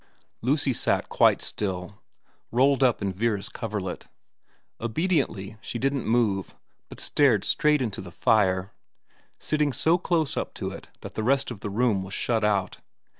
Lucy sat quite still, rolled up in Vera's coverlet. Obediently she didn't move, but stared straight into the fire, sitting so close up to it that the rest of the room was shut out.